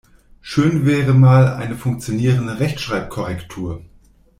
Schön wäre mal eine funktionierende Rechtschreibkorrektur.